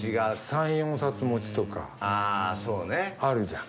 ３４冊持ちとかあるじゃん。